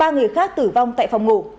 ba người khác tử vong tại phòng ngủ